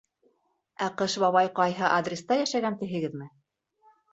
Ә Ҡыш бабай ҡайһы адреста йәшәгән, тиһегеҙме?